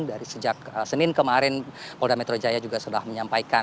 dari sejak senin kemarin polda metro jaya juga sudah menyampaikan